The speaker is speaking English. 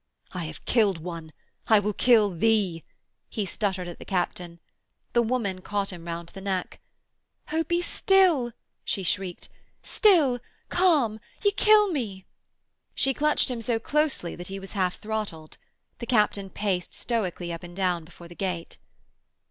'I have killed one. I will kill thee,' he stuttered at the captain. The woman caught him round the neck. 'Oh, be still,' she shrieked. 'Still. Calm. Y' kill me.' She clutched him so closely that he was half throttled. The captain paced stoically up and down before the gate.